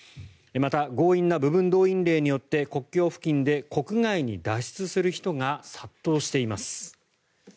また、強引な部分動員令によって国境付近で国外に脱出する人が殺到しています。